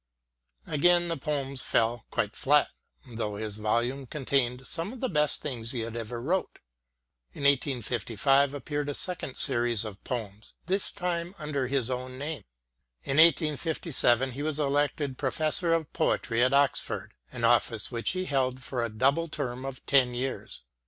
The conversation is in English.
Again the poems fell quite flat, though this volume contained some of the best things he ever wrote. In 1855 appeared a second" series of Poems, this time under his own name. In 1857 he was elected Professor of Poetry at Oxford, an office which he held for a double term of ten years.